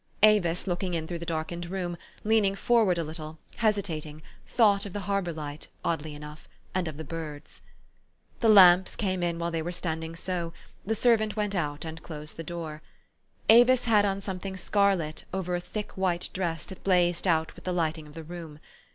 Avis, looking in through the darkened room, lean ing forward a little, hesitating, thought of the Har bor Light, oddly enough, and of the birds. The lamps came in while they were standing so : the servant went out and closed the door. Avis had on something scarlet over a thick white dress that blazed out with the lighting of the room.